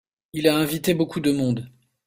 Il a invité beaucoup de monde.